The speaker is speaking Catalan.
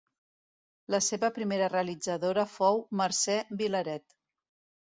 La seva primera realitzadora fou Mercè Vilaret.